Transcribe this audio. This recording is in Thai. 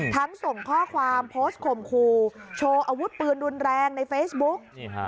ส่งข้อความโพสต์ข่มครูโชว์อาวุธปืนรุนแรงในเฟซบุ๊ก